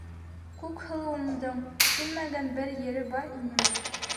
Күкһылыуымдың... килмәгән бер ере бар инеме?!